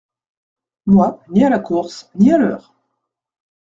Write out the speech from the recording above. Moi, ni à la course, ni à l’heure…